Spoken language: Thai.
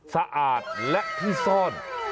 สะอาดและที่ซ่อน